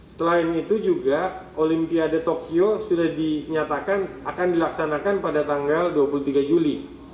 selain itu juga olimpiade tokyo sudah dinyatakan akan dilaksanakan pada tanggal dua puluh tiga juli